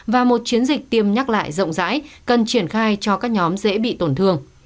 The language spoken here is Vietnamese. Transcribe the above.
và một chiến dịch tiêm nhắc lại rộng rãi cần triển khai cho các nhóm dễ bị tổn thương